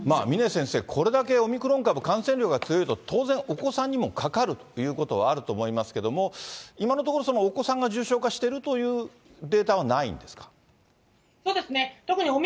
峰先生、これだけオミクロン株、感染力が強いと、当然お子さんにもかかるということはあると思いますけれども、今のところ、お子さんが重症化しているというデータはないんですか？